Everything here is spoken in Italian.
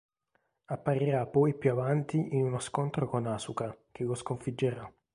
Apparirà poi più avanti in uno scontro con Asuka che lo sconfiggerà.